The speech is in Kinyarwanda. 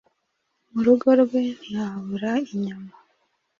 Mu rugo rwe ntihabura inyama.